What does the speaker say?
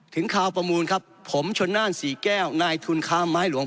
คราวประมูลครับผมชนน่านสี่แก้วนายทุนค้าไม้หลวง